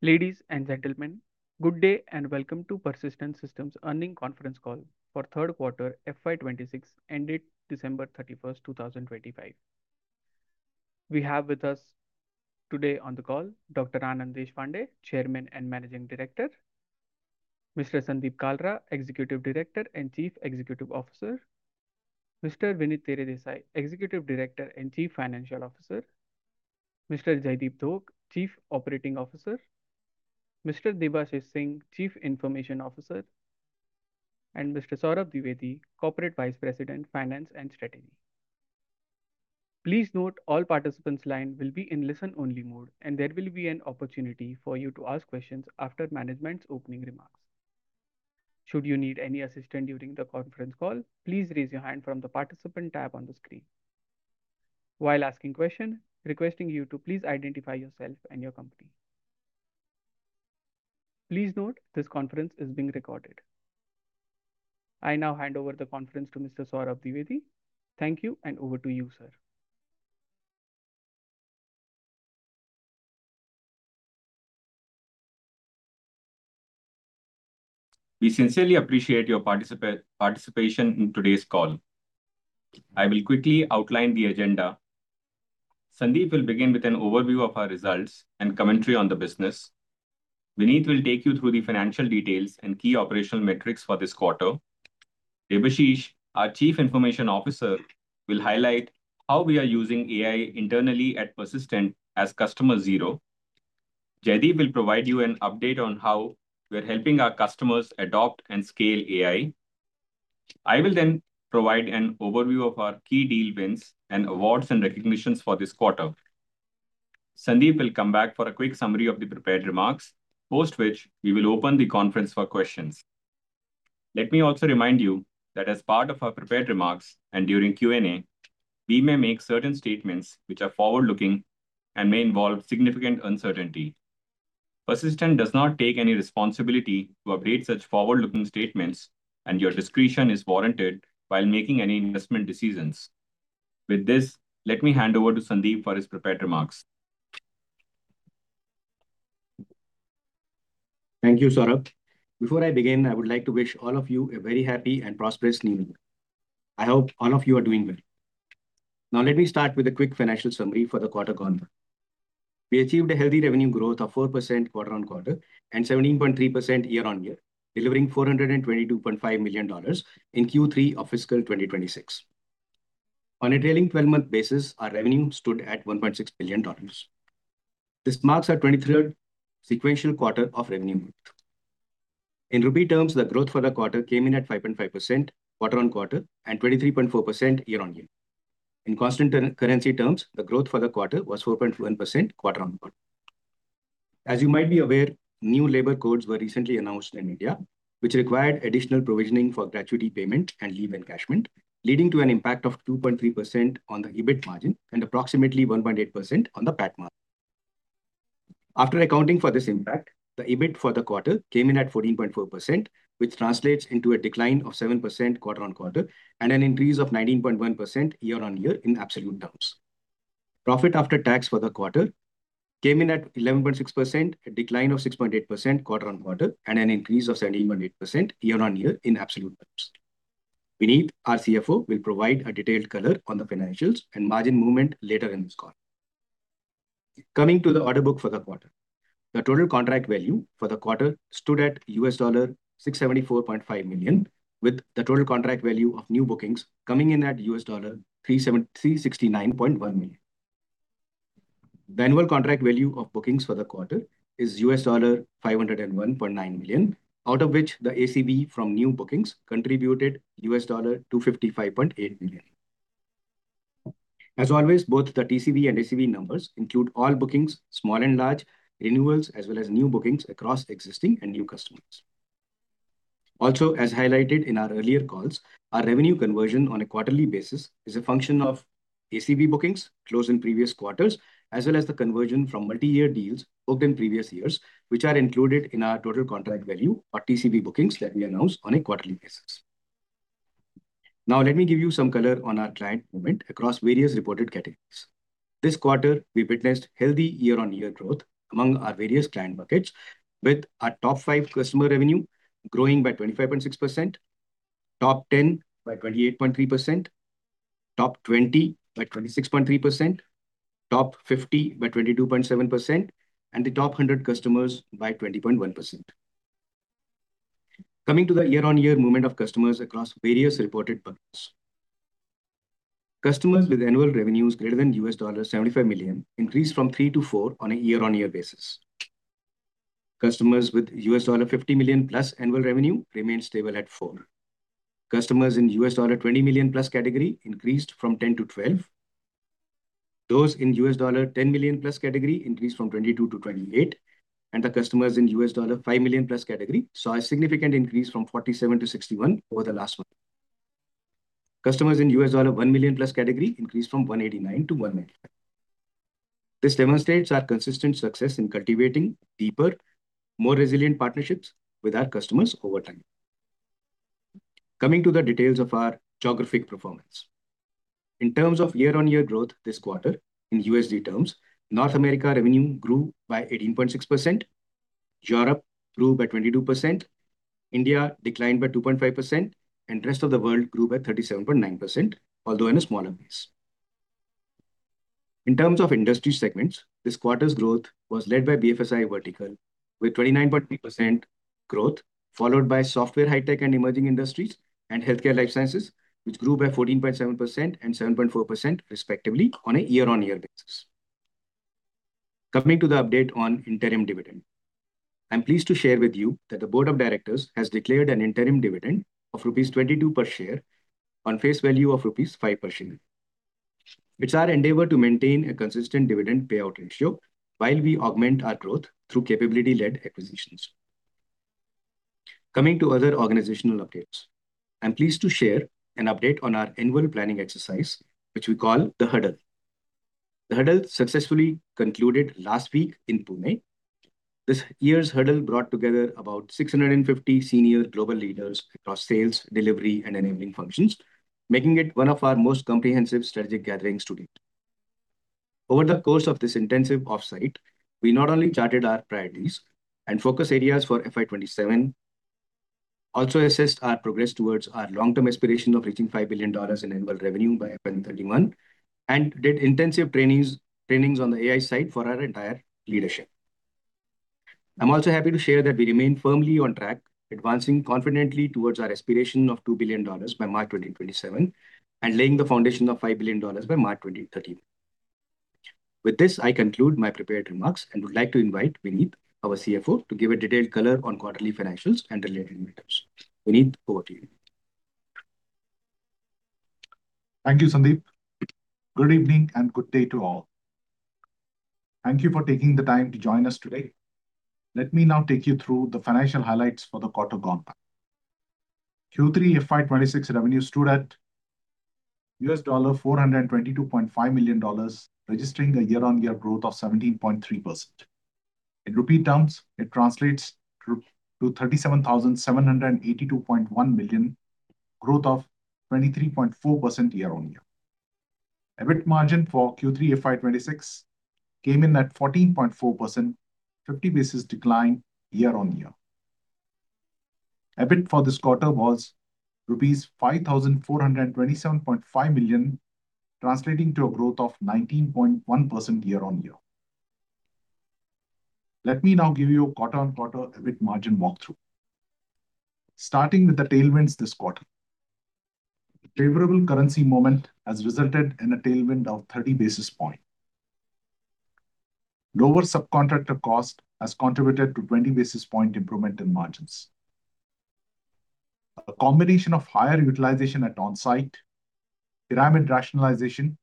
Ladies and gentlemen, good day and welcome to Persistent Systems Earnings Conference Call for Q3 FY2026 ended December 31, 2025. We have with us today on the call Dr. Anand Deshpande, Chairman and Managing Director, Mr. Sandeep Kalra, Executive Director and Chief Executive Officer, Mr. Vinit Teredesai, Executive Director and Chief Financial Officer, Mr. Jaideep Dhok, Chief Operating Officer, Mr. Debashis Singh, Chief Information Officer, and Mr. Saurabh Dwivedi, Corporate Vice President, Finance and Strategy. Please note all participants' lines will be in listen-only mode, and there will be an opportunity for you to ask questions after management's opening remarks. Should you need any assistance during the conference call, please raise your hand from the Participant tab on the screen. While asking questions, we're requesting you to please identify yourself and your company. Please note this conference is being recorded. I now hand over the conference to Mr. Saurabh Dwivedi. Thank you, and over to you, sir. We sincerely appreciate your participation in today's call. I will quickly outline the agenda. Sandeep will begin with an overview of our results and commentary on the business. Vinit will take you through the financial details and key operational metrics for this quarter. Debashis, our Chief Information Officer, will highlight how we are using AI internally at Persistent as Customer Zero. Jaideep will provide you an update on how we are helping our customers adopt and scale AI. I will then provide an overview of our key deal wins and awards and recognitions for this quarter. Sandeep will come back for a quick summary of the prepared remarks, post which we will open the conference for questions. Let me also remind you that as part of our prepared remarks and during Q&A, we may make certain statements which are forward-looking and may involve significant uncertainty. Persistent does not take any responsibility to update such forward-looking statements, and your discretion is warranted while making any investment decisions. With this, let me hand over to Sandeep for his prepared remarks. Thank you, Saurabh. Before I begin, I would like to wish all of you a very happy and prosperous New Year. I hope all of you are doing well. Now, let me start with a quick financial summary for the quarter going on. We achieved a healthy revenue growth of 4% quarter on quarter and 17.3% year-on-year, delivering $422.5 million in Q3 of fiscal 2026. On a trailing 12-month basis, our revenue stood at $1.6 billion. This marks our 23rd sequential quarter of revenue growth. In rupee terms, the growth for the quarter came in at 5.5% quarter on quarter and 23.4% year-on-year. In constant currency terms, the growth for the quarter was 4.1% quarter on quarter. As you might be aware, new labor codes were recently announced in India, which required additional provisioning for gratuity payment and leave encashment, leading to an impact of 2.3% on the EBIT margin and approximately 1.8% on the PAT margin. After accounting for this impact, the EBIT for the quarter came in at 14.4%, which translates into a decline of 7% quarter on quarter and an increase of 19.1% year-on-year in absolute terms. Profit after tax for the quarter came in at 11.6%, a decline of 6.8% quarter on quarter, and an increase of 17.8% year-on-year in absolute terms. Vinit, our CFO, will provide a detailed color on the financials and margin movement later in this call. Coming to the order book for the quarter, the total contract value for the quarter stood at $674.5 million, with the total contract value of new bookings coming in at $369.1 million. The annual contract value of bookings for the quarter is $501.9 million, out of which the ACV from new bookings contributed $255.8 million. As always, both the TCV and ACV numbers include all bookings, small and large, renewals, as well as new bookings across existing and new customers. Also, as highlighted in our earlier calls, our revenue conversion on a quarterly basis is a function of ACV bookings closed in previous quarters, as well as the conversion from multi-year deals booked in previous years, which are included in our total contract value or TCV bookings that we announce on a quarterly basis. Now, let me give you some color on our client movement across various reported categories. This quarter, we witnessed healthy year-on-year growth among our various client buckets, with our top five customer revenue growing by 25.6%, top 10 by 28.3%, top 20 by 26.3%, top 50 by 22.7%, and the top 100 customers by 20.1%. Coming to the year-on-year movement of customers across various reported buckets, customers with annual revenues greater than $75 million increased from 3 to 4 on a year-on-year basis. Customers with $50 million plus annual revenue remained stable at 4. Customers in $20 million plus category increased from 10 to 12. Those in $10 million plus category increased from 22 to 28, and the customers in $5 million plus category saw a significant increase from 47 to 61 over the last month. Customers in $1 million plus category increased from 189 to 195. This demonstrates our consistent success in cultivating deeper, more resilient partnerships with our customers over time. Coming to the details of our geographic performance, in terms of year-on-year growth this quarter, in USD terms, North America revenue grew by 18.6%, Europe grew by 22%, India declined by 2.5%, and the rest of the world grew by 37.9%, although in a smaller base. In terms of industry segments, this quarter's growth was led by BFSI vertical, with 29.8% growth, followed by Software, Hi-Tech and Emerging Industries and Healthcare & Life Sciences, which grew by 14.7% and 7.4% respectively on a year-on-year basis. Coming to the update on interim dividend, I'm pleased to share with you that the Board of Directors has declared an interim dividend of rupees 22 per share on face value of rupees 5 per share, which our endeavor to maintain a consistent dividend payout ratio while we augment our growth through capability-led acquisitions. Coming to other organizational updates, I'm pleased to share an update on our annual planning exercise, which we call the Huddle. The Huddle successfully concluded last week in Pune. This year's Huddle brought together about 650 senior global leaders across sales, delivery, and enabling functions, making it one of our most comprehensive strategic gatherings to date. Over the course of this intensive offsite, we not only charted our priorities and focus areas for FY2027, also assessed our progress towards our long-term aspiration of reaching $5 billion in annual revenue by FY2031, and did intensive trainings on the AI side for our entire leadership. I'm also happy to share that we remain firmly on track, advancing confidently towards our aspiration of $2 billion by March 2027 and laying the foundation of $5 billion by March 2031. With this, I conclude my prepared remarks and would like to invite Vinit, our CFO, to give a detailed color on quarterly financials and related matters. Vinit, over to you. Thank you, Sandeep. Good evening and good day to all. Thank you for taking the time to join us today. Let me now take you through the financial highlights for the quarter gone by. Q3 FY2026 revenue stood at $422.5 million, registering a year-on-year growth of 17.3%. In rupee terms, it translates to 37,782.1 million, growth of 23.4% year-on-year. EBIT margin for Q3 FY2026 came in at 14.4%, a 50 basis point decline year-on-year. EBIT for this quarter was rupees 5,427.5 million, translating to a growth of 19.1% year-on-year. Let me now give you a quarter-on-quarter EBIT margin walkthrough. Starting with the tailwinds this quarter, favorable currency movement has resulted in a tailwind of 30 basis points. Lower subcontractor cost has contributed to 20 basis point improvement in margins. A combination of higher utilization at onsite, pyramid rationalization,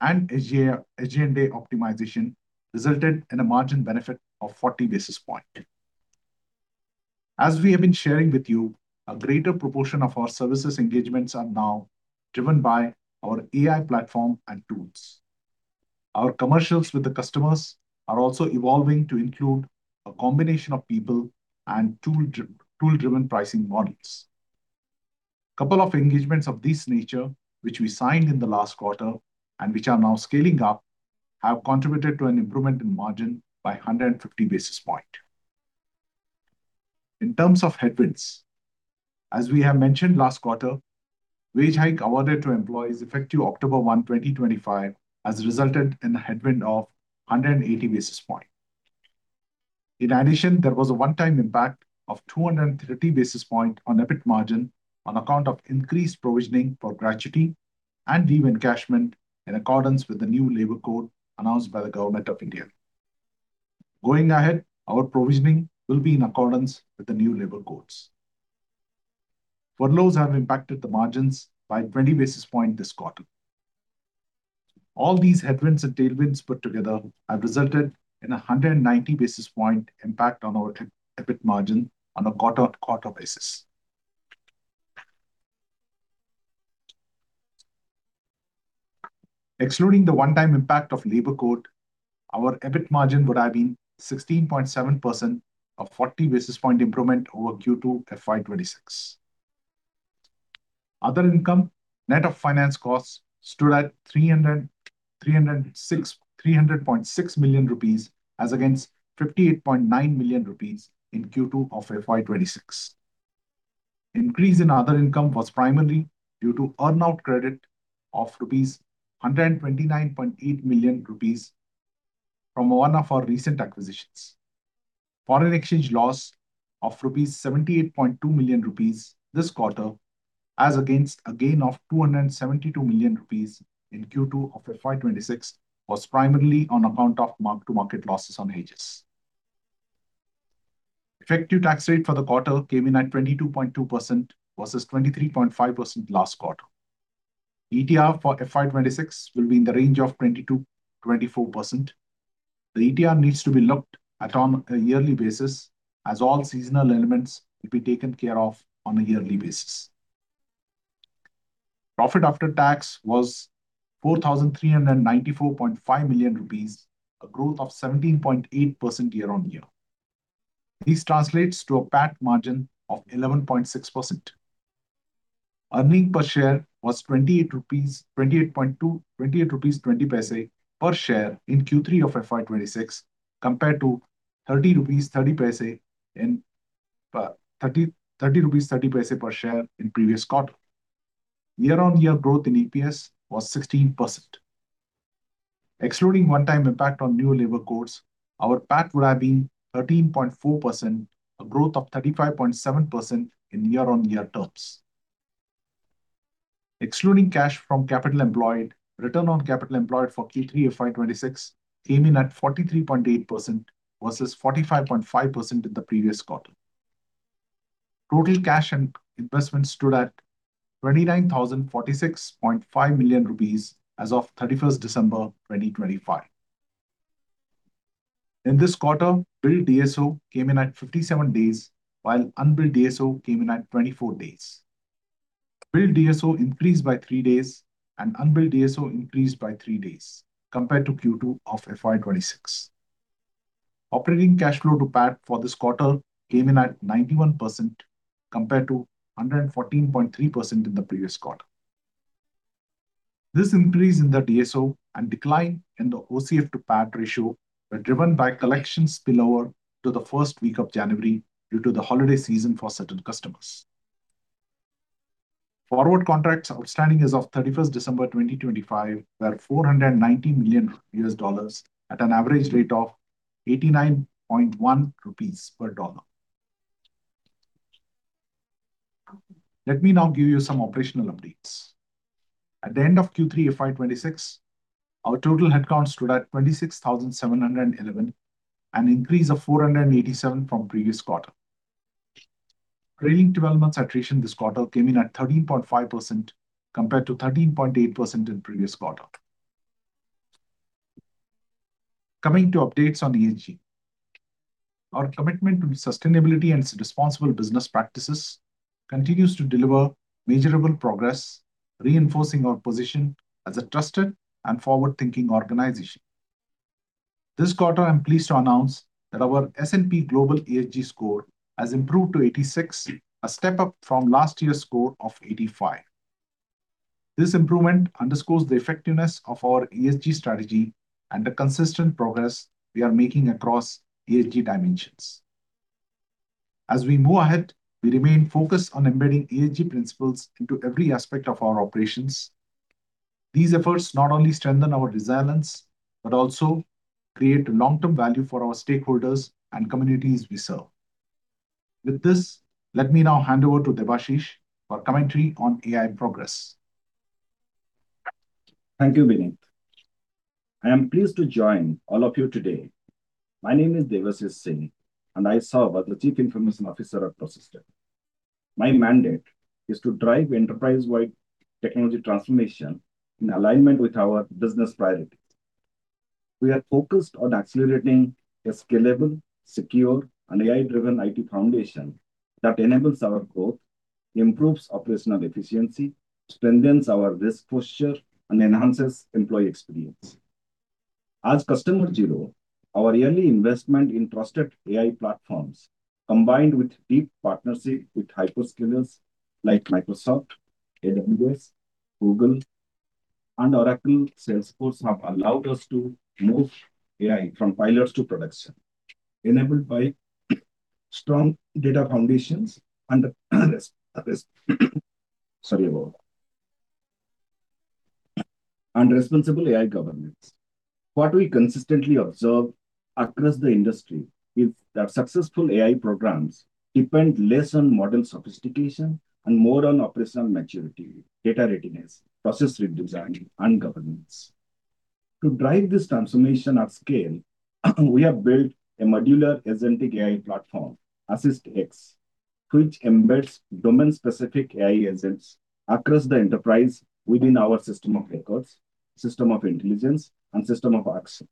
and agenda optimization resulted in a margin benefit of 40 basis points. As we have been sharing with you, a greater proportion of our services engagements are now driven by our AI platform and tools. Our commercials with the customers are also evolving to include a combination of people and tool-driven pricing models. A couple of engagements of this nature, which we signed in the last quarter and which are now scaling up, have contributed to an improvement in margin by 150 basis points. In terms of headwinds, as we have mentioned last quarter, wage hike awarded to employees effective October 1, 2025, has resulted in a headwind of 180 basis points. In addition, there was a one-time impact of 230 basis points on EBIT margin on account of increased provisioning for gratuity and leave encashment in accordance with the new labor code announced by the Government of India. Going ahead, our provisioning will be in accordance with the new labor codes. Furloughs have impacted the margins by 20 basis points this quarter. All these headwinds and tailwinds put together have resulted in a 190 basis point impact on our EBIT margin on a quarter-on-quarter basis. Excluding the one-time impact of labor code, our EBIT margin would have been 16.7%, a 40 basis point improvement over Q2 FY2026. Other income, net of finance costs, stood at 300.6 million rupees as against 58.9 million rupees in Q2 of FY2026. Increase in other income was primarily due to earn-out credit of 129.8 million rupees from one of our recent acquisitions. Foreign exchange loss of 78.2 million rupees this quarter as against a gain of 272 million rupees in Q2 of FY2026 was primarily on account of mark-to-market losses on hedges. Effective tax rate for the quarter came in at 22.2% versus 23.5% last quarter. ETR for FY2026 will be in the range of 22%-24%. The ETR needs to be looked at on a yearly basis as all seasonal elements will be taken care of on a yearly basis. Profit after tax was 4,394.5 million rupees, a growth of 17.8% year-on-year. This translates to a PAT margin of 11.6%. Earnings per share was INR 28.20 per share in Q3 of FY2026 compared to INR 30.30 per share in previous quarter. Year-on-year growth in EPS was 16%. Excluding one-time impact on new labor codes, our PAT would have been 13.4%, a growth of 35.7% in year-on-year terms. Excluding cash from capital employed, return on capital employed for Q3 FY2026 came in at 43.8% versus 45.5% in the previous quarter. Total cash and investment stood at 29,046.5 million rupees as of 31st December 2025. In this quarter, billed DSO came in at 57 days, while unbilled DSO came in at 24 days. Billed DSO increased by three days and unbilled DSO increased by three days compared to Q2 of FY2026. Operating cash flow to PAT for this quarter came in at 91% compared to 114.3% in the previous quarter. This increase in the DSO and decline in the OCF to PAT ratio were driven by collections spillover to the first week of January due to the holiday season for certain customers. Forward contracts outstanding as of 31st December 2025 were $490 million at an average rate of 89.1 rupees per dollar. Let me now give you some operational updates. At the end of Q3 FY2026, our total headcount stood at 26,711, an increase of 487 from previous quarter. Trailing twelve-month attrition this quarter came in at 13.5% compared to 13.8% in previous quarter. Coming to updates on ESG, our commitment to sustainability and responsible business practices continues to deliver measurable progress, reinforcing our position as a trusted and forward-thinking organization. This quarter, I'm pleased to announce that our S&P Global ESG score has improved to 86, a step up from last year's score of 85. This improvement underscores the effectiveness of our ESG strategy and the consistent progress we are making across ESG dimensions. As we move ahead, we remain focused on embedding ESG principles into every aspect of our operations. These efforts not only strengthen our resilience but also create long-term value for our stakeholders and communities we serve. With this, let me now hand over to Debashis for commentary on AI progress. Thank you, Vinit. I am pleased to join all of you today. My name is Debashis Singh, and I serve as the Chief Information Officer at Persistent Systems. My mandate is to drive enterprise-wide technology transformation in alignment with our business priorities. We are focused on accelerating a scalable, secure, and AI-driven IT foundation that enables our growth, improves operational efficiency, strengthens our risk posture, and enhances employee experience. As Customer Zero, our yearly investment in trusted AI platforms, combined with deep partnerships with hyperscalers like Microsoft, AWS, Google, Oracle, and Salesforce, have allowed us to move AI from pilots to production, enabled by strong data foundations and responsible AI governance. What we consistently observe across the industry is that successful AI programs depend less on model sophistication and more on operational maturity, data readiness, process redesign, and governance. To drive this transformation at scale, we have built a modular agentic AI platform, AssistX, which embeds domain-specific AI agents across the enterprise within our system of records, system of intelligence, and system of action.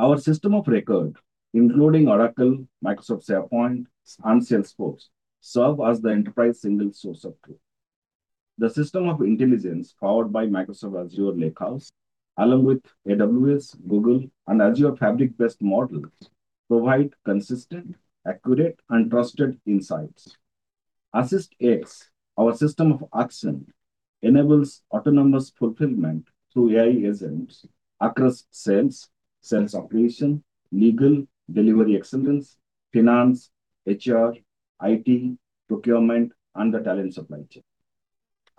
Our system of record, including Oracle, Microsoft SharePoint, and Salesforce, serve as the enterprise single source of truth. The system of intelligence powered by Microsoft Azure Lakehouse, along with AWS, Google, and Azure Fabric-based models, provides consistent, accurate, and trusted insights. AssistX, our system of action, enables autonomous fulfillment through AI agents across sales, sales operation, legal, delivery excellence, finance, HR, IT, procurement, and the talent supply chain.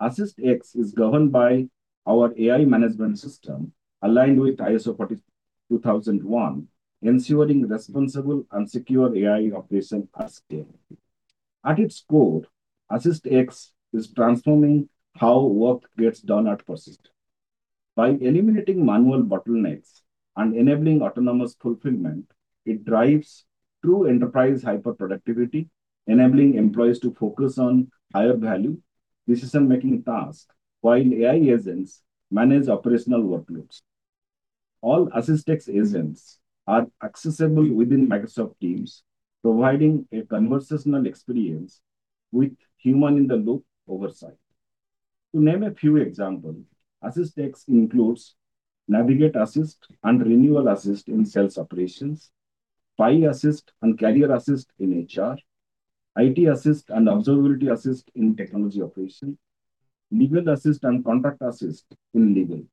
AssistX is governed by our AI management system aligned with ISO 42001, ensuring responsible and secure AI operation at scale. At its core, AssistX is transforming how work gets done at Persistent. By eliminating manual bottlenecks and enabling autonomous fulfillment, it drives true enterprise hyperproductivity, enabling employees to focus on higher-value decision-making tasks while AI agents manage operational workloads. All AssistX agents are accessible within Microsoft Teams, providing a conversational experience with human-in-the-loop oversight. To name a few examples, AssistX includes Navigate Assist and Renewal Assist in sales operations, Pi Assist and Career Assist in HR, IT Assist and Observability Assist in technology operation, Legal Assist and Contract Assist in legal.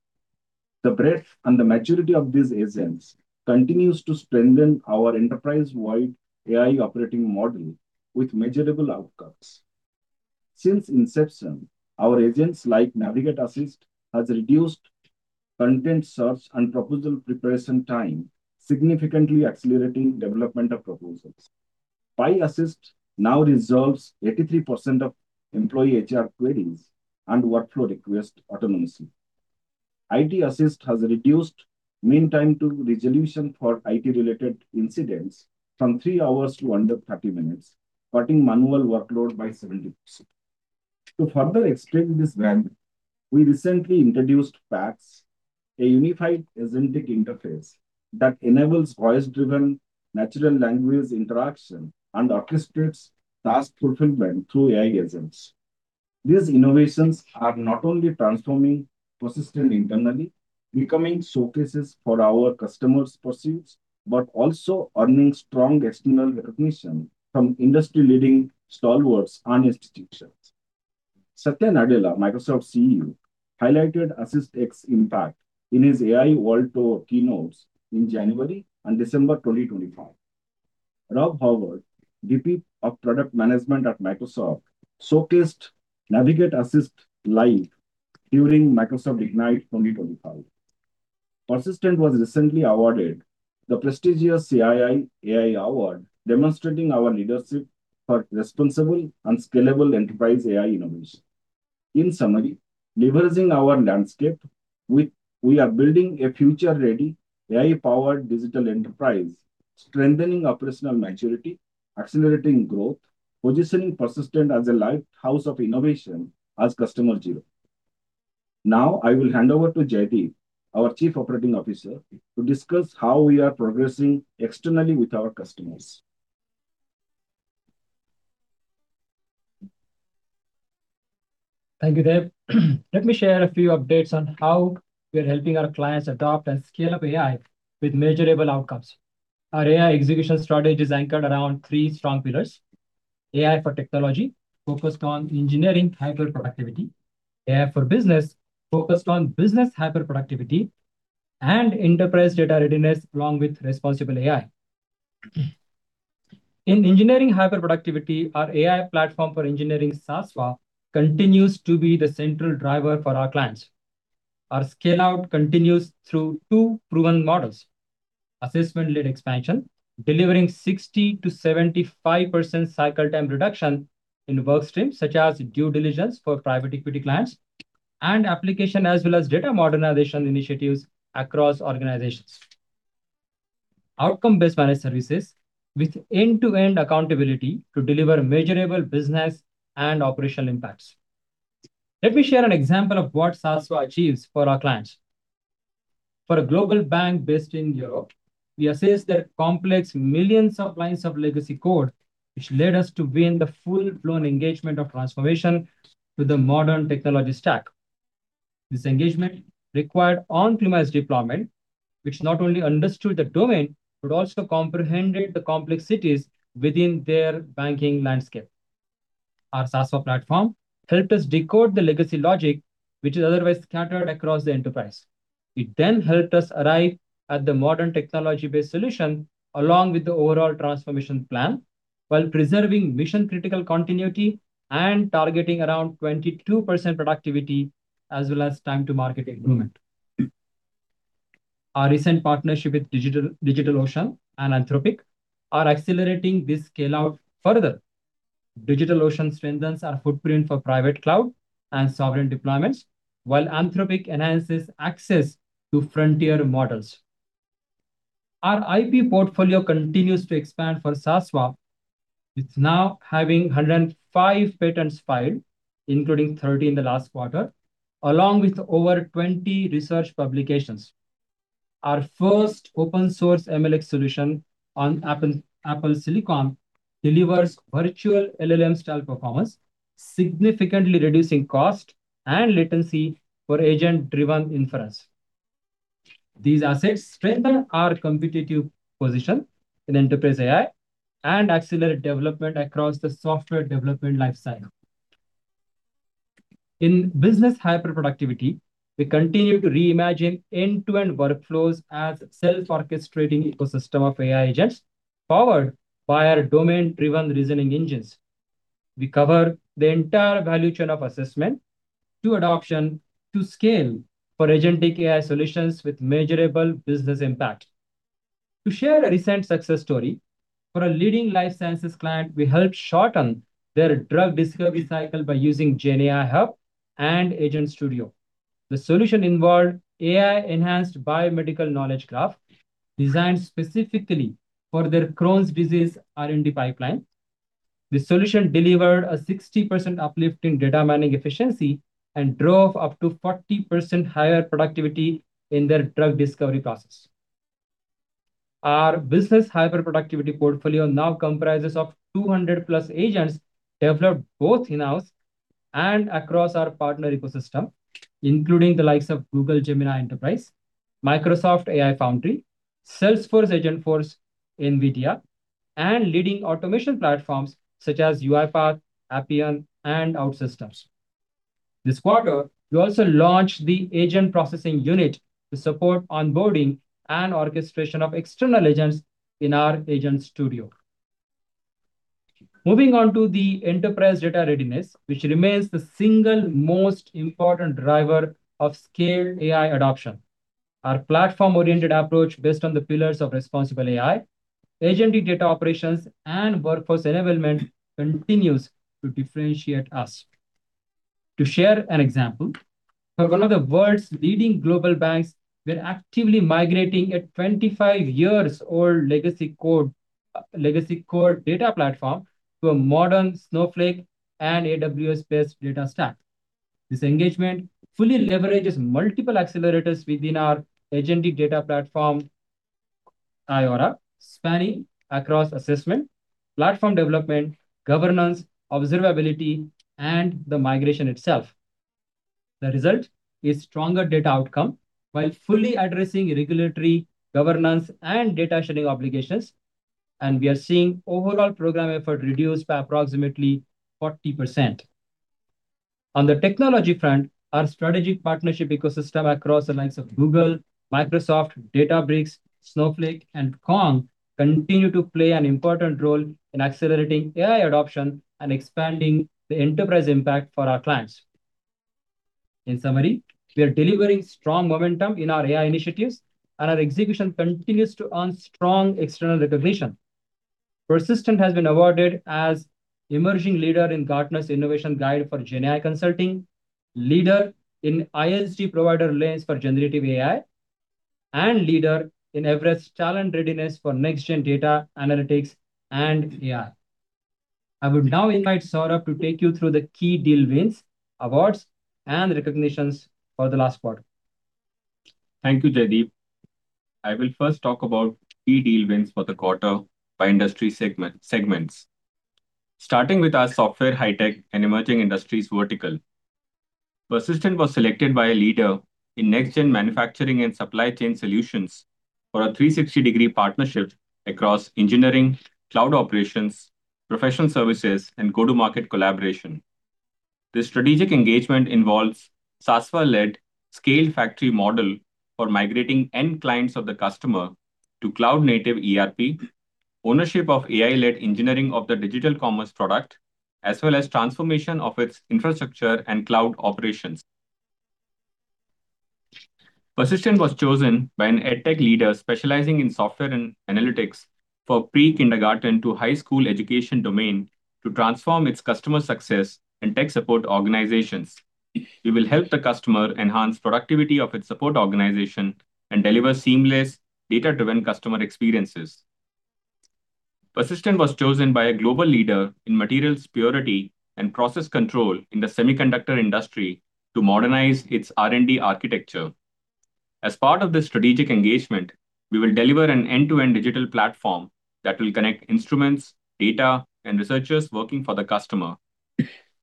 The breadth and the maturity of these agents continues to strengthen our enterprise-wide AI operating model with measurable outcomes. Since inception, our agents like Navigate Assist have reduced content search and proposal preparation time, significantly accelerating development of proposals. Pi Assist now resolves 83% of employee HR queries and workflow requests autonomously. IT Assist has reduced mean time to resolution for IT-related incidents from three hours to under 30 minutes, cutting manual workload by 70%. To further extend this band, we recently introduced PAX, a unified agentic interface that enables voice-driven natural language interaction and orchestrates task fulfillment through AI agents. These innovations are not only transforming Persistent Systems internally, becoming showcases for our customers' pursuits, but also earning strong external recognition from industry-leading stalwarts and institutions. Satya Nadella, Microsoft CEO, highlighted AssistX's impact in his AI World Tour keynotes in January and December 2025. Rob Howard, VP of Product Management at Microsoft, showcased Navigate Assist live during Microsoft Ignite 2025. Persistent Systems was recently awarded the prestigious CII AI Award, demonstrating our leadership for responsible and scalable enterprise AI innovation. In summary, leveraging our landscape, we are building a future-ready AI-powered digital enterprise, strengthening operational maturity, accelerating growth, positioning Persistent as a lighthouse of innovation as Customer Zero. Now, I will hand over to Jaideep, our Chief Operating Officer, to discuss how we are progressing externally with our customers. Thank you, Dev. Let me share a few updates on how we are helping our clients adopt and scale up AI with measurable outcomes. Our AI execution strategy is anchored around three strong pillars: AI for technology, focused on engineering hyperproductivity; AI for business, focused on business hyperproductivity; and enterprise data readiness along with responsible AI. In engineering hyperproductivity, our AI platform for engineering, Sasva, continues to be the central driver for our clients. Our scale-out continues through two proven models: assessment-led expansion, delivering 60%-75% cycle-time reduction in work streams, such as due diligence for private equity clients, and application as well as data modernization initiatives across organizations. Outcome-based managed services with end-to-end accountability to deliver measurable business and operational impacts. Let me share an example of what Sasva achieves for our clients. For a global bank based in Europe, we assessed their complex millions of lines of legacy code, which led us to win the full-blown engagement of transformation to the modern technology stack. This engagement required on-premise deployment, which not only understood the domain but also comprehended the complexities within their banking landscape. Our Sasva platform helped us decode the legacy logic, which is otherwise scattered across the enterprise. It then helped us arrive at the modern technology-based solution along with the overall transformation plan while preserving mission-critical continuity and targeting around 22% productivity as well as time-to-market improvement. Our recent partnership with DigitalOcean and Anthropic are accelerating this scale-out further. DigitalOcean strengthens our footprint for private cloud and sovereign deployments, while Anthropic enhances access to frontier models. Our IP portfolio continues to expand for Sasva, with now having 105 patents filed, including 30 in the last quarter, along with over 20 research publications. Our first open-source MLX solution on Apple Silicon delivers virtual LLM-style performance, significantly reducing cost and latency for agent-driven inference. These assets strengthen our competitive position in enterprise AI and accelerate development across the software development lifecycle. In business hyperproductivity, we continue to reimagine end-to-end workflows as a self-orchestrating ecosystem of AI agents powered by our domain-driven reasoning engines. We cover the entire value chain of assessment to adoption to scale for agentic AI solutions with measurable business impact. To share a recent success story, for a leading life sciences client, we helped shorten their drug discovery cycle by using GenAI Hub and Agent Studio. The solution involved AI-enhanced biomedical knowledge graph designed specifically for their Crohn's disease R&D pipeline. The solution delivered a 60% uplift in data mining efficiency and drove up to 40% higher productivity in their drug discovery process. Our business hyperproductivity portfolio now comprises of 200-plus agents developed both in-house and across our partner ecosystem, including the likes of Google Gemini Enterprise, Azure AI Foundry, Salesforce Agentforce, NVIDIA, and leading automation platforms such as UiPath, Appian, and OutSystems. This quarter, we also launched the Agent Processing Unit to support onboarding and orchestration of external agents in our Agent Studio. Moving on to the enterprise data readiness, which remains the single most important driver of scaled AI adoption. Our platform-oriented approach based on the pillars of responsible AI, agentic data operations, and workforce enablement continues to differentiate us. To share an example, for one of the world's leading global banks, we're actively migrating a 25-year-old legacy core data platform to a modern Snowflake and AWS-based data stack. This engagement fully leverages multiple accelerators within our agentic data platform, iAura, spanning across assessment, platform development, governance, observability, and the migration itself. The result is stronger data outcome while fully addressing regulatory governance and data sharing obligations, and we are seeing overall program effort reduced by approximately 40%. On the technology front, our strategic partnership ecosystem across the likes of Google, Microsoft, Databricks, Snowflake, and Kong continue to play an important role in accelerating AI adoption and expanding the enterprise impact for our clients. In summary, we are delivering strong momentum in our AI initiatives, and our execution continues to earn strong external recognition. Persistent has been awarded as Emerging Leader in Gartner's Innovation Guide for GenAI Consulting, Leader in ISG Provider Lens for Generative AI, and Leader in Everest Talent Readiness for Next-Gen Data Analytics and AI. I would now invite Saurabh to take you through the key deal wins, awards, and recognitions for the last quarter. Thank you, Jaideep. I will first talk about key deal wins for the quarter by industry segments, starting with our software high-tech and emerging industries vertical. Persistent was selected by a leader in next-gen manufacturing and supply chain solutions for a 360-degree partnership across engineering, cloud operations, professional services, and go-to-market collaboration. This strategic engagement involves Sasva-led scaled factory model for migrating end clients of the customer to cloud-native ERP, ownership of AI-led engineering of the digital commerce product, as well as transformation of its infrastructure and cloud operations. Persistent was chosen by an edtech leader specializing in software and analytics for pre-kindergarten to high school education domain to transform its customer success and tech support organizations. We will help the customer enhance productivity of its support organization and deliver seamless data-driven customer experiences. Persistent was chosen by a global leader in materials purity and process control in the semiconductor industry to modernize its R&D architecture. As part of this strategic engagement, we will deliver an end-to-end digital platform that will connect instruments, data, and researchers working for the customer.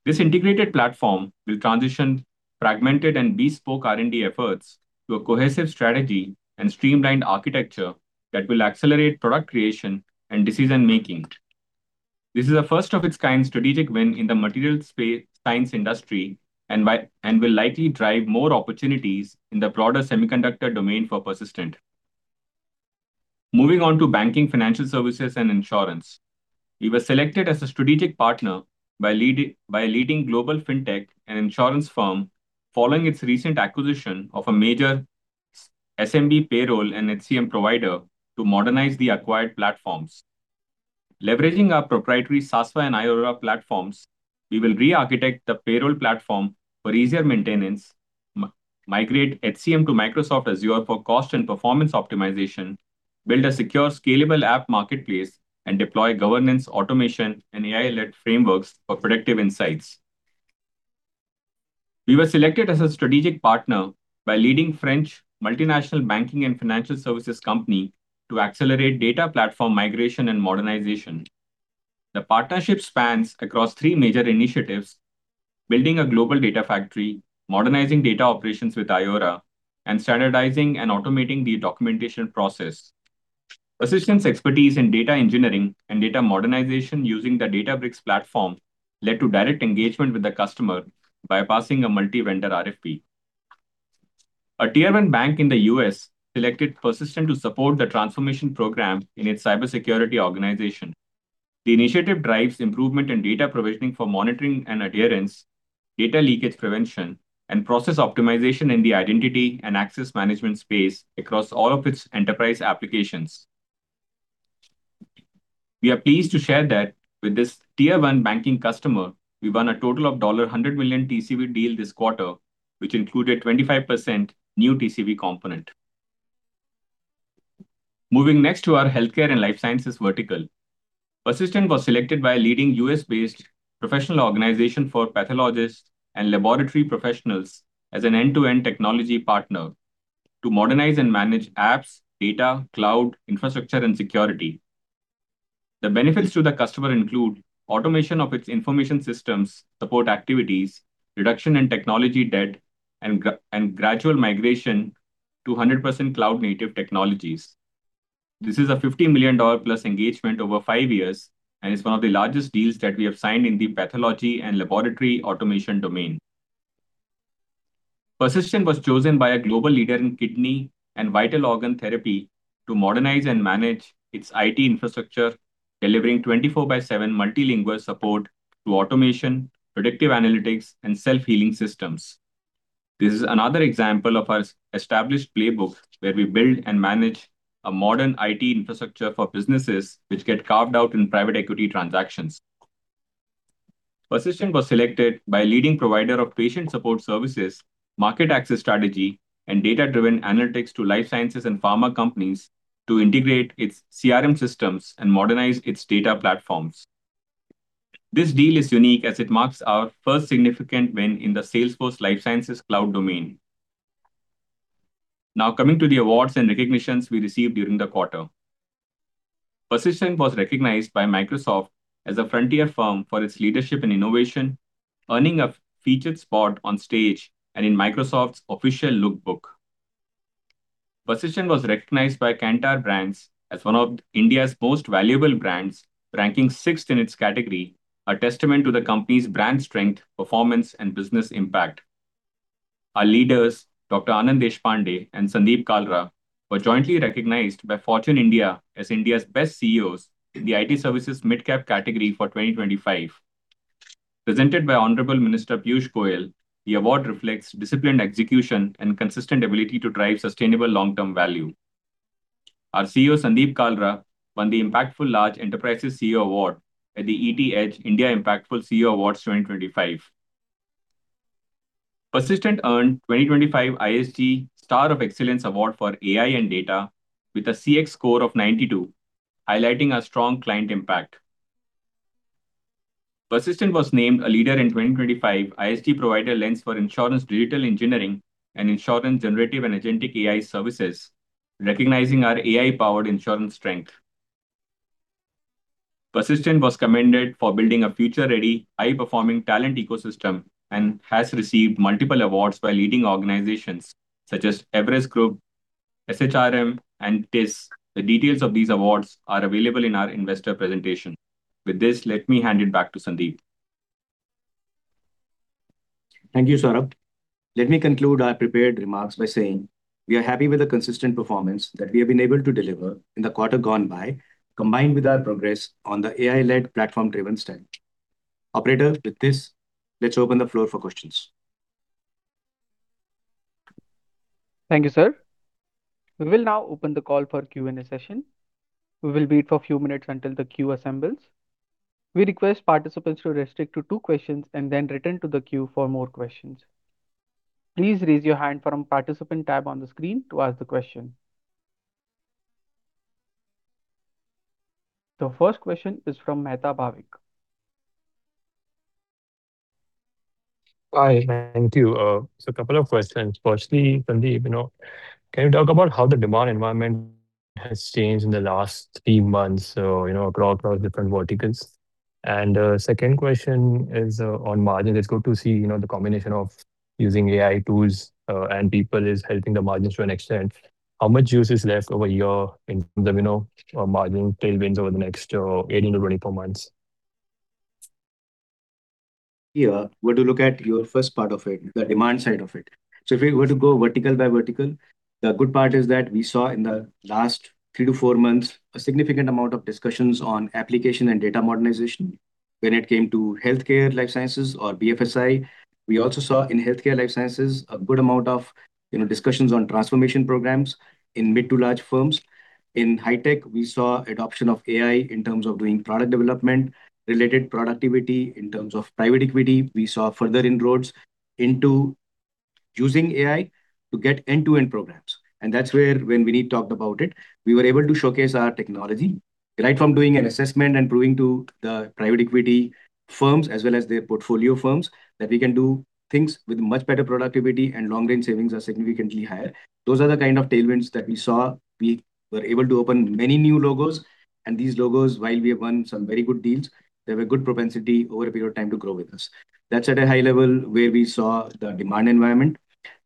This integrated platform will transition fragmented and bespoke R&D efforts to a cohesive strategy and streamlined architecture that will accelerate product creation and decision-making. This is a first-of-its-kind strategic win in the materials science industry and will likely drive more opportunities in the broader semiconductor domain for Persistent. Moving on to banking, financial services, and insurance, we were selected as a strategic partner by leading global fintech and insurance firm following its recent acquisition of a major SMB payroll and HCM provider to modernize the acquired platforms. Leveraging our proprietary Sasva and iAura platforms, we will re-architect the payroll platform for easier maintenance, migrate HCM to Microsoft Azure for cost and performance optimization, build a secure, scalable app marketplace, and deploy governance, automation, and AI-led frameworks for predictive insights. We were selected as a strategic partner by leading French multinational banking and financial services company to accelerate data platform migration and modernization. The partnership spans across three major initiatives: building a global data factory, modernizing data operations with iAura, and standardizing and automating the documentation process. Persistent's expertise in data engineering and data modernization using the Databricks platform led to direct engagement with the customer, bypassing a multi-vendor RFP. A tier-one bank in the US selected Persistent to support the transformation program in its cybersecurity organization. The initiative drives improvement in data provisioning for monitoring and adherence, data leakage prevention, and process optimization in the identity and access management space across all of its enterprise applications. We are pleased to share that with this tier-one banking customer, we won a total of $100 million TCV deal this quarter, which included 25% new TCV component. Moving next to our healthcare and life sciences vertical, Persistent was selected by a leading U.S.-based professional organization for pathologists and laboratory professionals as an end-to-end technology partner to modernize and manage apps, data, cloud, infrastructure, and security. The benefits to the customer include automation of its information systems support activities, reduction in technology debt, and gradual migration to 100% cloud-native technologies. This is a $50 million-plus engagement over five years and is one of the largest deals that we have signed in the pathology and laboratory automation domain. Persistent was chosen by a global leader in kidney and vital organ therapy to modernize and manage its IT infrastructure, delivering 24/7 multilingual support to automation, predictive analytics, and self-healing systems. This is another example of our established playbook where we build and manage a modern IT infrastructure for businesses which get carved out in private equity transactions. Persistent was selected by a leading provider of patient support services, market access strategy, and data-driven analytics to life sciences and pharma companies to integrate its CRM systems and modernize its data platforms. This deal is unique as it marks our first significant win in the Salesforce Life Sciences Cloud domain. Now coming to the awards and recognitions we received during the quarter, Persistent was recognized by Microsoft as a frontier firm for its leadership and innovation, earning a featured spot on stage and in Microsoft's official Look Book. Systems was recognized by Kantar as one of India's most valuable brands, ranking sixth in its category, a testament to the company's brand strength, performance, and business impact. Our leaders, Dr. Anand Deshpande and Sandeep Kalra, were jointly recognized by Fortune India as India's best CEOs in the IT services mid-cap category for 2025. Presented by Honorable Minister Piyush Goyal, the award reflects disciplined execution and consistent ability to drive sustainable long-term value. Our CEO, Sandeep Kalra, won the Impactful Large Enterprises CEO Award at the ET Edge India Impactful CEO Awards 2025. Persistent Systems earned 2025 ISG Star of Excellence Award for AI and Data with a CX score of 92, highlighting our strong client impact. Persistent Systems was named a leader in 2025 ISG Provider Lens for Insurance Digital Engineering and Insurance Generative and Agentic AI Services, recognizing our AI-powered insurance strength. Systems was commended for building a future-ready, high-performing talent ecosystem and has received multiple awards by leading organizations such as Everest Group, SHRM, and TISS. The details of these awards are available in our investor presentation. With this, let me hand it back to Sandeep. Thank you, Saurabh. Let me conclude our prepared remarks by saying we are happy with the consistent performance that we have been able to deliver in the quarter gone by, combined with our progress on the AI-led platform-driven stack. Operator, with this, let's open the floor for questions. Thank you, sir. We will now open the call for Q&A session. We will wait for a few minutes until the queue assembles. We request participants to restrict to two questions and then return to the queue for more questions. Please raise your hand from the participant tab on the screen to ask the question. The first question is from Bhavik Mehta. Hi. Thank you. So a couple of questions. Firstly, Sandeep, can you talk about how the demand environment has changed in the last three months across different verticals? And the second question is on margins. It's good to see the combination of using AI tools and people is helping the margins to an extent. How much use is left over here in terms of margin tailwinds over the next 18 to 24 months? Yeah, we're going to look at your first part of it, the demand side of it. So if we were to go vertical by vertical, the good part is that we saw in the last three to four months a significant amount of discussions on application and data modernization. When it came to healthcare life sciences or BFSI, we also saw in healthcare life sciences a good amount of discussions on transformation programs in mid-to-large firms. In high tech, we saw adoption of AI in terms of doing product development, related productivity in terms of private equity. We saw further inroads into using AI to get end-to-end programs. And that's where, when we talked about it, we were able to showcase our technology right from doing an assessment and proving to the private equity firms as well as their portfolio firms that we can do things with much better productivity and long-range savings are significantly higher. Those are the kind of tailwinds that we saw. We were able to open many new logos. And these logos, while we have won some very good deals, they have a good propensity over a period of time to grow with us. That's at a high level where we saw the demand environment.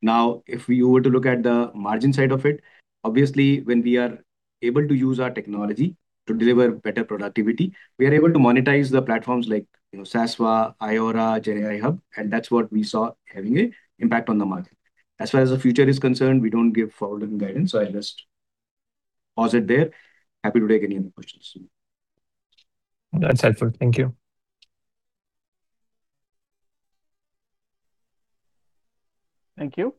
Now, if you were to look at the margin side of it, obviously, when we are able to use our technology to deliver better productivity, we are able to monetize the platforms like Sasva, iAura, GenAI Hub. And that's what we saw having an impact on the market. As far as the future is concerned, we don't give forward-looking guidance. So I'll just pause it there. Happy to take any other questions. That's helpful. Thank you. Thank you.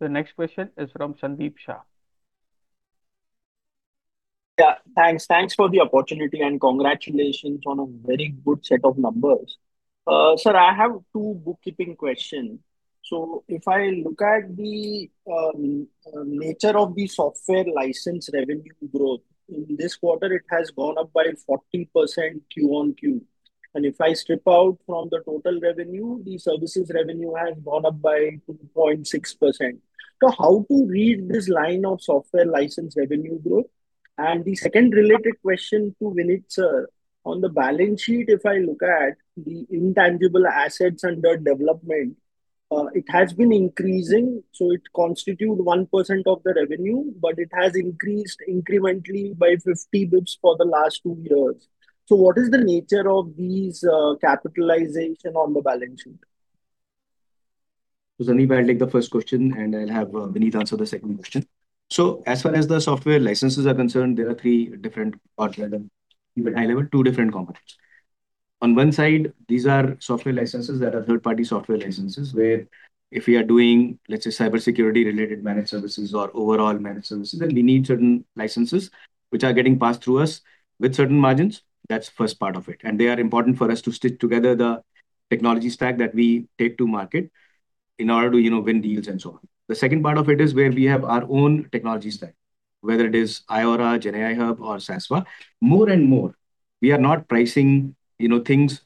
The next question is from Sandeep Shah. Yeah, thanks. Thanks for the opportunity and congratulations on a very good set of numbers. Sir, I have two bookkeeping questions. If I look at the nature of the software license revenue growth, in this quarter, it has gone up by 40% Q on Q. And if I strip out from the total revenue, the services revenue has gone up by 2.6%. So how to read this line of software license revenue growth? And the second related question to Vinit, sir, on the balance sheet, if I look at the intangible assets under development, it has been increasing. It constituted 1% of the revenue, but it has increased incrementally by 50 basis points for the last two years. So what is the nature of these capitalizations on the balance sheet? Sandeep, I'll take the first question, and I'll have Vinit answer the second question. As far as the software licenses are concerned, there are three different parts that are even high-level, two different components. On one side, these are software licenses that are third-party software licenses where if we are doing, let's say, cybersecurity-related managed services or overall managed services, then we need certain licenses which are getting passed through us with certain margins. That's the first part of it. And they are important for us to stitch together the technology stack that we take to market in order to win deals and so on. The second part of it is where we have our own technology stack, whether it is iAura, GenAI Hub, or Sasva. More and more, we are not pricing things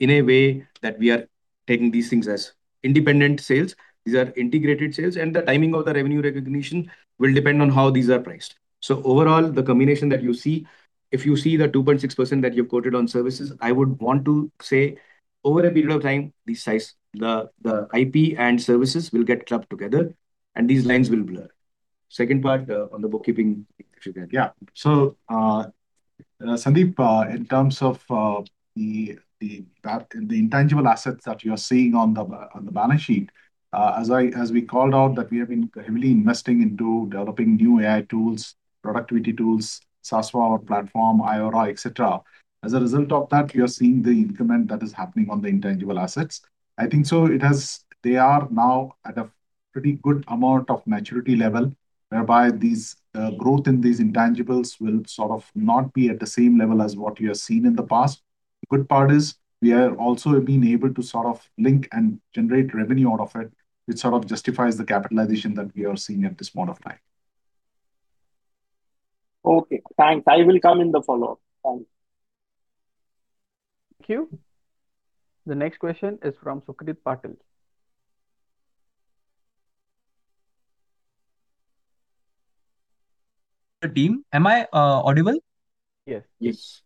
in a way that we are taking these things as independent sales. These are integrated sales, and the timing of the revenue recognition will depend on how these are priced. So overall, the combination that you see, if you see the 2.6% that you've quoted on services, I would want to say over a period of time, the IP and services will get clubbed together, and these lines will blur. Second part on the bookkeeping, if you can. So Sandeep, in terms of the intangible assets that you're seeing on the balance sheet, as we called out that we have been heavily investing into developing new AI tools, productivity tools, Sasva platform, iAura, et cetera, as a result of that, you're seeing the increment that is happening on the intangible assets. I think so. They are now at a pretty good amount of maturity level, whereby the growth in these intangibles will sort of not be at the same level as what you have seen in the past. The good part is we are also being able to sort of link and generate revenue out of it, which sort of justifies the capitalization that we are seeing at this point of time. Okay. Thanks. I will come in the follow-up. Thanks. Thank you. The next question is from Sukrit Patel. Team, am I audible? Yes. Yes.